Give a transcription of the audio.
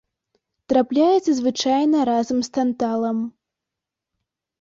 Трапляецца звычайна разам з танталам.